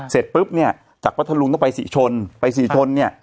เสร็จปุ๊บเนี่ยจากพัทธรุงต้องไปศรีชนไปศรีชนเนี่ย